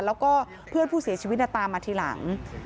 แล้วก็เพื่อนผู้เสียชีวิตตามมาทีหลัง